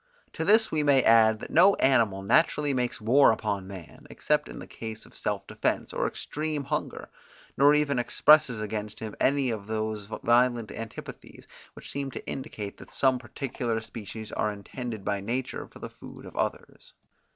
To this we may add that no animal naturally makes war upon man, except in the case of self defence or extreme hunger; nor ever expresses against him any of these violent antipathies, which seem to indicate that some particular species are intended by nature for the food of others.